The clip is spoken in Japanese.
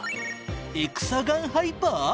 エクサガンハイパー？